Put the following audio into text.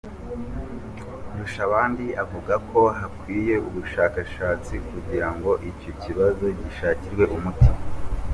Ndushabandi avuga ko hakwiye ubushakashatsi kugira ngo icyo kibazo gishakirwe umuti.